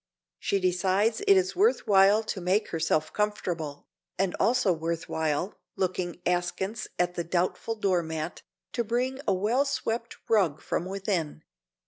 She decides it is worth while to make herself comfortable, and also worth while, looking askance at the doubtful doormat, to bring a well swept rug from within.